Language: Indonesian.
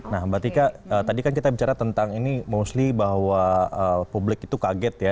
nah mbak tika tadi kan kita bicara tentang ini mostly bahwa publik itu kaget ya